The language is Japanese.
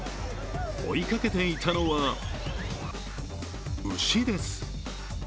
追いかけていたのは牛です。